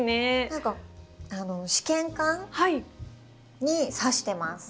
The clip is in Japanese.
何か試験管に挿してます。